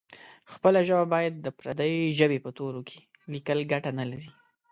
خپله ژبه باید د پردۍ ژبې په تورو کې لیکل ګټه نه لري.